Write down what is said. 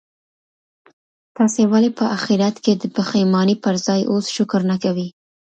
تاسي ولي په اخیرت کي د پښېمانۍ پر ځای اوس شکر نه کوئ؟